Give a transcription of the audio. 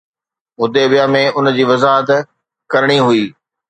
حديبيه ۾ ان جي وضاحت ڪرڻي هئي